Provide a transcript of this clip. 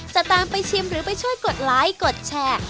จะตามไปชิมหรือไปช่วยกดไลค์กดแชร์